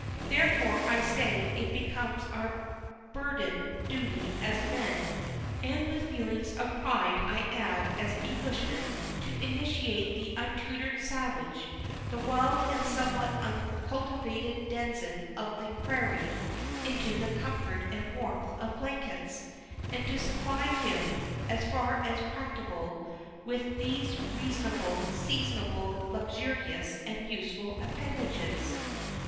Therefore, I say, it becomes our bounden duty as men, and, with feelings of pride, I add, as Englishmen to initiate the untutored savage, the wild and somewhat uncultivated denizen of the prairie, into the comfort and warmth of blankets; and to supply him, as far as practicable, with those reasonable, seasonable, luxurious, and useful appendages.